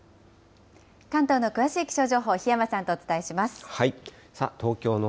関東の詳しい気象情報、檜山さんとお伝えします。